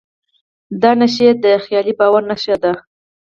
دا نښې د خیالي باور نښه ده.